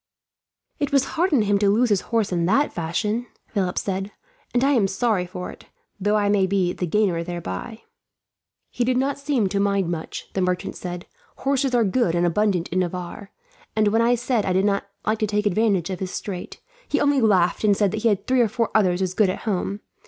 "It was hard on him to lose his horse in that fashion," Philip said; "and I am sorry for it, though I may be the gainer thereby." "He did not seem to mind much," the merchant said. "Horses are good and abundant in Navarre, and when I said I did not like to take advantage of his strait, he only laughed and said he had three or four others as good at home.